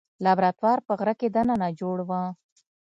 لابراتوار په غره کې دننه جوړ و.